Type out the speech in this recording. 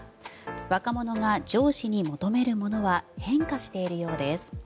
若者が上司に求めるものは変化しているようです。